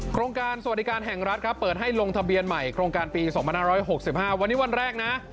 โครงการสวัสดิการแห่งรัฐครับเปิดให้ลงทะเบียนใหม่โครงการปีสองพันห้าร้อยหกสิบห้าวันนี้วันแรกนะ